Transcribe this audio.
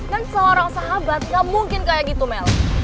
dan seorang sahabat gak mungkin kayak gitu mel